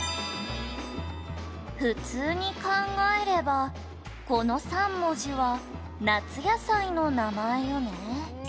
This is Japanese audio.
「普通に考えればこの３文字は夏野菜の名前よね」